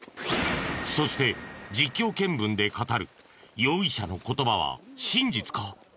そして実況見分で語る容疑者の言葉は真実か？